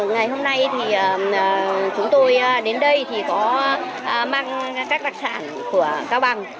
ngày hôm nay thì chúng tôi đến đây thì có mang các đặc sản của cao bằng